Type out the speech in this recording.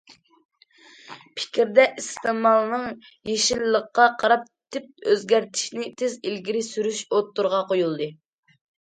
پىكىردە، ئىستېمالنىڭ يېشىللىققا قاراپ تىپ ئۆزگەرتىشىنى تېز ئىلگىرى سۈرۈش ئوتتۇرىغا قويۇلدى.